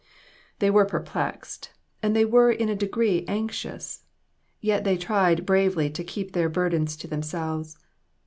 They were perplexed, and they were in a degree anx ious, yet they tried bravely to keep their burdens to themselves.